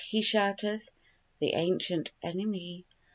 he shouteth the ancient enemy!